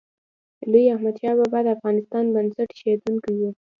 لوی احمدشاه بابا د افغانستان بنسټ ایښودونکی و.